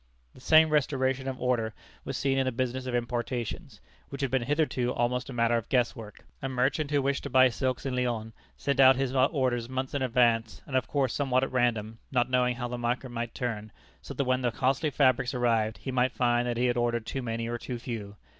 The same restoration of order was seen in the business of importations, which had been hitherto almost a matter of guess work. A merchant who wished to buy silks in Lyons, sent out his orders months in advance, and of course somewhat at random, not knowing how the market might turn, so that when the costly fabrics arrived, he might find that he had ordered too many or too few.